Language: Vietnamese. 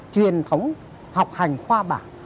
truyền thống học hành khoa bản